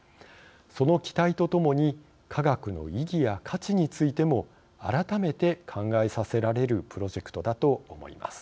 その期待とともに科学の意義や価値についても改めて考えさせられるプロジェクトだと思います。